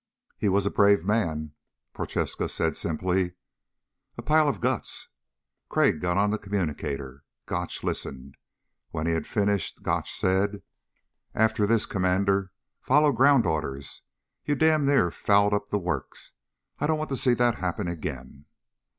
"He was a brave man," Prochaska said simply. "A pile of guts." Crag got on the communicator. Gotch listened. When he had finished, Gotch said: "After this, Commander, follow ground orders. You damned near fouled up the works. I don't want to see that happen again."